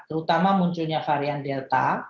terutama munculnya varian delta